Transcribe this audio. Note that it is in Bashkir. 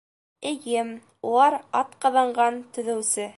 — Эйе, улар атҡаҙанған төҙөүсе.